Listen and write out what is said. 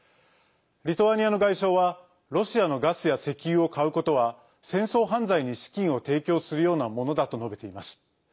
リトアニアの外相はロシアのガスや石油を買うことは戦争犯罪に資金を提供するようなものだと述べています。